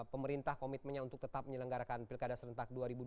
pemerintah komitmennya untuk tetap menyelenggarakan pilkada serentak dua ribu dua puluh